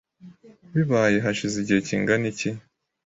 Bibaye hashize igihe kingana iki?